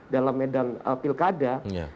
dalam medan pilkada